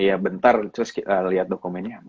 iya bentar terus liat dokumennya